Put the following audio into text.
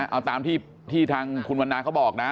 เอาตามที่ทางคุณวันนาเขาบอกนะ